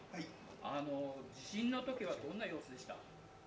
地震のときはどんな様子でした？